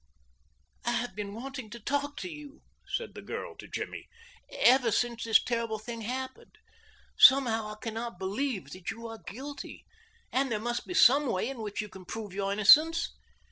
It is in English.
"I have been wanting to talk to you," said the girl to Jimmy, "ever since this terrible thing happened. Somehow I can not believe that you are guilty, and there must be some way in which you can prove your innocence."